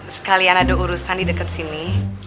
sekalian ada urusan di dekat sini